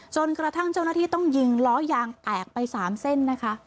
จนกระทั่งเจ้าหน้าที่ต้องยิงล้อยางแตกไป๓เส้นนะคะ